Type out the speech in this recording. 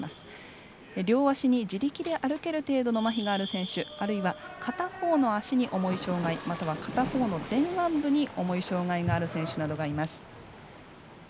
両足に自力で歩ける程度のまひがある選手あるいは、片方の足に重い障がいまたは片方の前腕部に重い障がいがある選手などがいます。